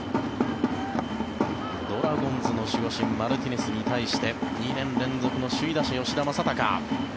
ドラゴンズの守護神マルティネスに対して２年連続の首位打者、吉田正尚。